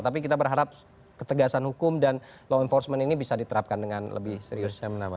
tapi kita berharap ketegasan hukum dan law enforcement ini bisa diterapkan dengan lebih serius